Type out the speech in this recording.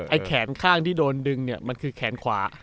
แขนข้างที่โดนดึงเนี่ยมันคือแขนขวา